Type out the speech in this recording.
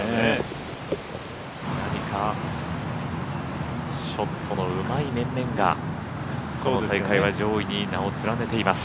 何かショットのうまい面々がこの大会は上位に名を連ねています。